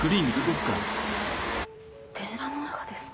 電車の中ですか？